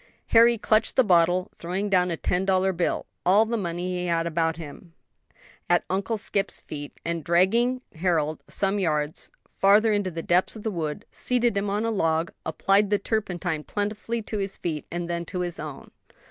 Harry clutched the bottle, throwing down a ten dollar bill (all the money he had about him) at Uncle Scip's feet, and dragging Harold some hundred yards farther into the depths of the wood, seated him on a log, applied the turpentine plentifully to his feet, and then to his own.